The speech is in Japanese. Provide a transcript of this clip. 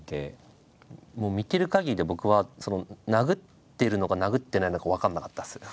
見てるかぎりで僕は殴ってるのか殴ってないのか分かんなかったです。